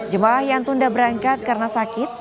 jemaah yang tunda berangkat karena sakit